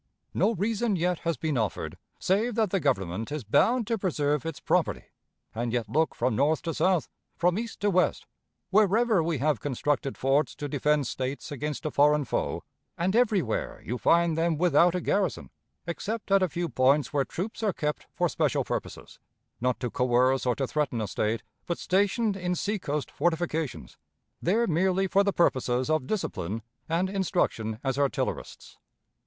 No reason yet has been offered, save that the Government is bound to preserve its property; and yet look from North to South, from East to West, wherever we have constructed forts to defend States against a foreign foe, and everywhere you find them without a garrison, except at a few points where troops are kept for special purposes; not to coerce or to threaten a State, but stationed in seacoast fortifications, there merely for the purposes of discipline and instruction as artillerists.